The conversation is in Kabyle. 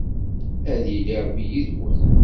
Ad yili Ṛebbi yid-wen.